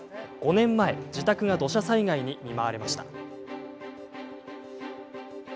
５年前、自宅が土砂災害に見舞われました。